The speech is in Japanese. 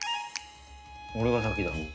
俺が先だ。